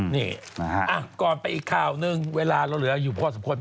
นี่ก่อนไปอีกข่าวหนึ่งเวลาเราเหลืออยู่พอสมควร